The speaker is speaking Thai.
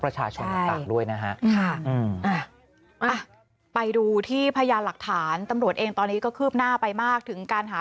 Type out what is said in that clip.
ประชาชนต่างด้วยนะฮะไปดูที่พยานหลักฐานตำรวจเองตอนนี้ก็คืบหน้าไปมากถึงการหา